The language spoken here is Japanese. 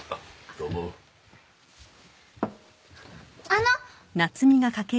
あの。